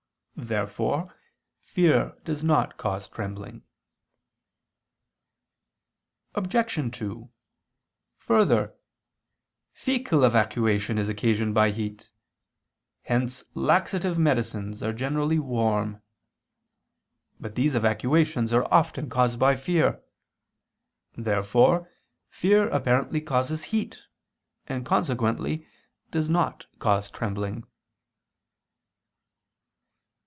Therefore fear does not cause trembling. Obj. 2: Further, faecal evacuation is occasioned by heat; hence laxative medicines are generally warm. But these evacuations are often caused by fear. Therefore fear apparently causes heat; and consequently does not cause trembling.